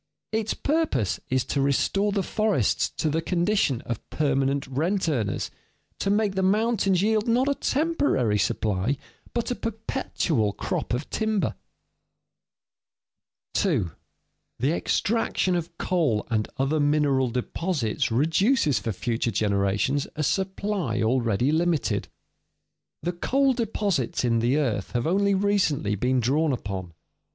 Its purpose is to restore the forests to the condition of permanent rent earners, to make the mountains yield not a temporary supply, but a perpetual crop of timber. [Sidenote: Possible exhaustion of the coal supply] 2. The extraction of coal and other mineral deposits reduces for future generations a supply already limited. The coal deposits in the earth have only recently been drawn upon.